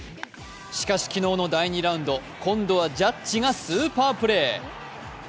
しかし、昨日の第２ラウンド今度はジャッジがスーパープレー。